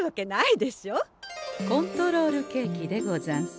コントロールケーキでござんす。